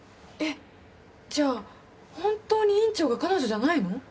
えっ？じゃあ本当に委員長が彼女じゃないの？